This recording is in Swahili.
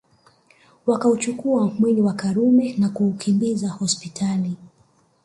Wakauchukua mwili wa Karume na kuukimbiza hospitali